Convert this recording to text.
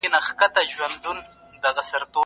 مسواک به ستاسو د ووریو وینه په بشپړه توګه ودرولي.